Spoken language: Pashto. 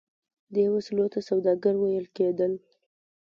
دې وسیلو ته سوداګر ویل کیدل.